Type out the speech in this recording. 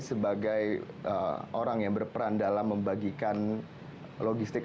sebagai orang yang berperan dalam membagikan logistik